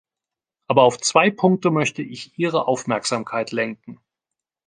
Aber auf zwei Punkte möchte ich Ihre Aufmerksamkeit lenken.